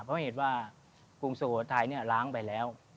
เพราะเหตุว่ากรุงสุโขทัยล้างไปแล้ว